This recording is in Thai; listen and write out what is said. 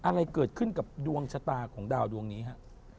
อะไรเกิดขึ้นกับดวงชะตาของดาวดวงนี้ฮะ